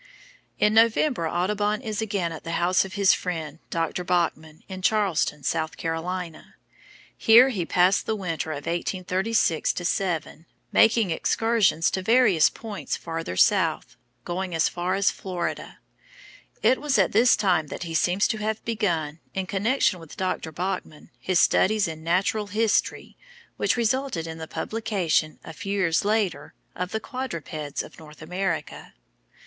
In November Audubon is again at the house of his friend Dr. Bachman, in Charleston, South Carolina. Here he passed the winter of 1836 7, making excursions to various points farther south, going as far as Florida. It was at this time that he seems to have begun, in connection with Dr. Bachman, his studies in Natural History which resulted in the publication, a few years later, of the "Quadrupeds of North America."